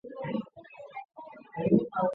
博物馆提供各种活动和展品。